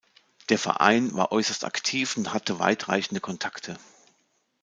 Der Verein war äußerst aktiv und hatte weit reichende Kontakte.